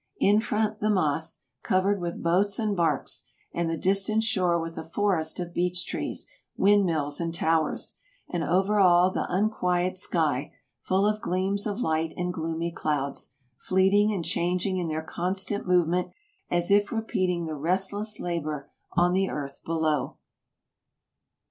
In front the Maas, covered with boats and barks, and the distant shore with a forest of beech trees, wind mills, and towers; and over all the unquiet sky, full of gleams of light and gloomy clouds, fleeting and changing in their constant movement, as if repeating the restless labor on the earth below.